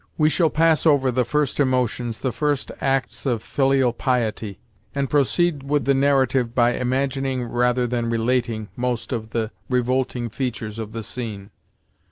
We shall pass over the first emotions, the first acts of filial piety, and proceed with the narrative by imagining rather than relating most of the revolting features of the scene.